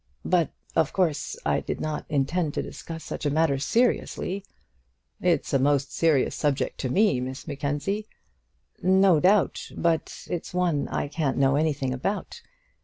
"But, of course, I did not intend to discuss such a matter seriously." "It's a most serious subject to me, Miss Mackenzie." "No doubt; but it's one I can't know anything about.